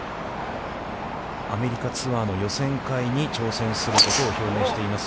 アメリカツアーの予選会に挑戦することを表明しています。